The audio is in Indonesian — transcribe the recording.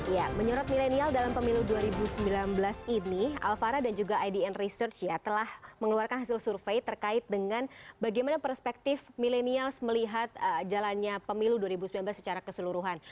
ya menyorot milenial dalam pemilu dua ribu sembilan belas ini alfara dan juga idn research ya telah mengeluarkan hasil survei terkait dengan bagaimana perspektif milenials melihat jalannya pemilu dua ribu sembilan belas secara keseluruhan